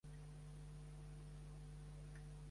Va néixer Niça.